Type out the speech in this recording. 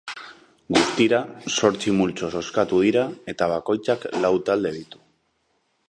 Guztira, zortzi multzo zozkatu dira eta bakoitzak lau talde ditu.